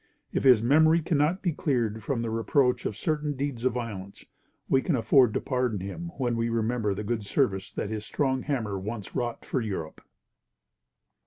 If his memory cannot be cleared from the reproach of certain deeds of violence, we can afford to pardon him when we remember the good service that his strong hammer once wrought for Europe.